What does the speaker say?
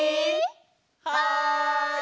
はい！